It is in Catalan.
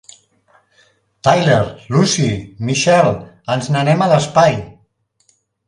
Tyler, Lucy, Michelle, ens n'anem a l'espai!